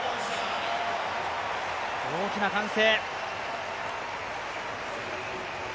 大きな歓声。